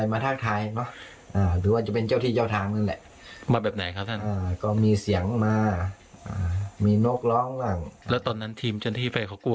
ฝากท่านเจ้าวาดหน่อยนะคะ